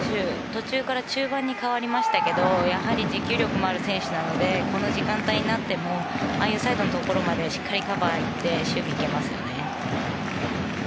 途中から中盤に変わりましたけどやはり持久力のある選手なのでこの時間帯になってもああいうサイドのところまでしっかりカバーに行って守備に行けますね。